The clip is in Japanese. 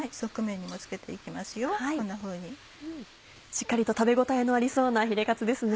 しっかりと食べ応えのありそうなヒレカツですね。